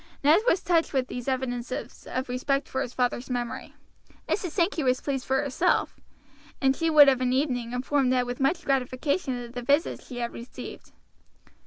Ned was touched with these evidences of respect for his father's memory. Mrs. Sankey was pleased for herself, and she would of an evening inform Ned with much gratification of the visits she had received.